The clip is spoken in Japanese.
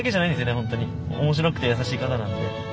本当に面白くて優しい方なんで。